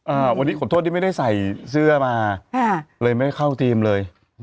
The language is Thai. อ่าวันนี้ขอโทษที่ไม่ได้ใส่เสื้อมาค่ะเลยไม่เข้าทีมเลย